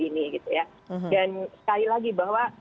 ini gitu ya dan sekali lagi bahwa